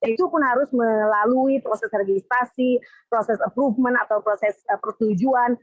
itu pun harus melalui proses registrasi proses approvement atau proses persetujuan